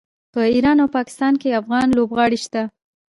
په ایران او پاکستان کې افغان لوبغاړي شته.